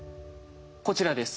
こちらです。